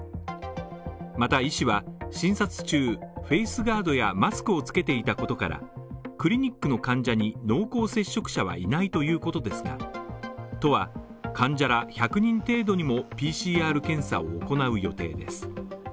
また医師は、診察中、フェイスガードやマスクを着けていたことから、クリニックの患者に濃厚接触者はいないということですが都は、患者ら１００人程度にもＰＣＲ検査を行う予定です。